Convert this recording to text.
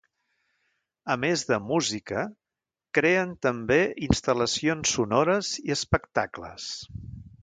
A més de música, creen també instal·lacions sonores i espectacles.